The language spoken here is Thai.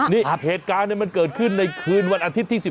นี่เหตุการณ์มันเกิดขึ้นในคืนวันอาทิตย์ที่๑๑